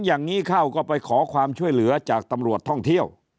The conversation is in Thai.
อย่างนี้เข้าก็ไปขอความช่วยเหลือจากตำรวจท่องเที่ยว